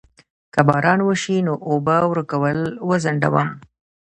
که باران وشي نو اوبه ورکول وځنډوم؟